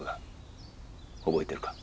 覚えてるか？